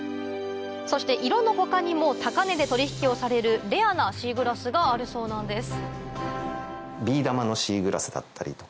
そして色の他にも高値で取引をされるレアなシーグラスがあるそうなんです